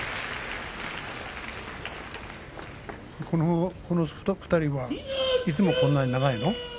この２人はいつもこんなに長いの？